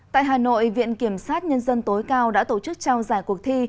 tại hà nội viện kiểm sát nhân dân tối cao đã tổ chức trao giải cuộc thi